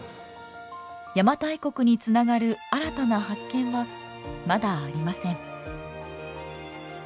邪馬台国につながる新たな発見はまだありません。